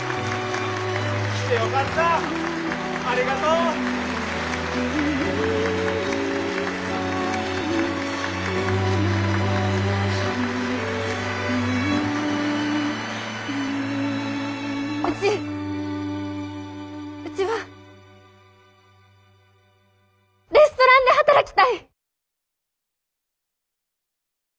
うちうちはレストランで働きたい！